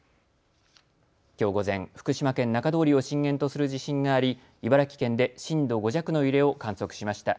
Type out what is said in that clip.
きょう午前、福島県中通りを震源とする地震があり茨城県で震度５弱の揺れを観測しました。